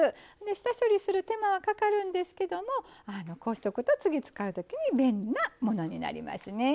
下処理する手間はかかるんですけどもこうしとくと次使う時に便利なものになりますね。